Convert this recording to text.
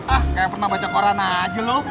ah kayak pernah baca koran aja loh